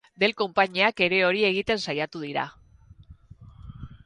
Dell konpainiak ere hori egiten saiatu dira.